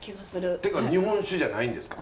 ってか日本酒じゃないんですか？